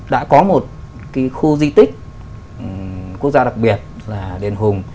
đã có một khu di tích quốc gia đặc biệt là đền hùng